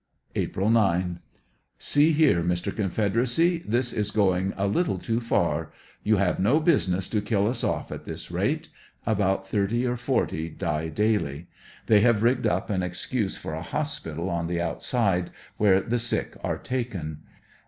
April 9 — See here Mr. Confederacy, this is ioing a little too far. You have no business to kill us off at this rate. About thirty or forty die daily. They have rigged up an excuse for a hospital on the outside, where the sick are taken.